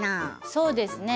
そうですね。